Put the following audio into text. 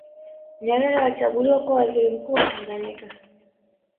Nyerere alichaguliwa kuwa waziri mkuu wa Tanganyika